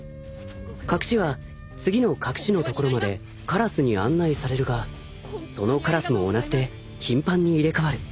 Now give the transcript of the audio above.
［隠は次の隠の所まで鴉に案内されるがその鴉も同じで頻繁に入れ替わる］